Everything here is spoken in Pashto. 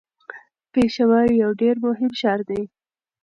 پېښور یو ډیر مهم ښار دی.